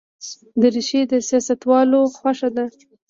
دریشي د سیاستوالو خوښه ده.